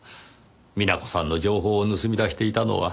美奈子さんの情報を盗み出していたのは。